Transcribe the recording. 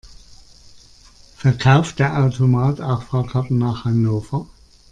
Verkauft der Automat auch Fahrkarten nach Hannover?